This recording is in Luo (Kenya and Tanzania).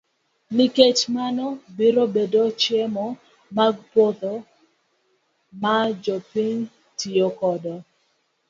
Nikech mano biro bedo chiemo mag puodho ma jopiny tiyo godo.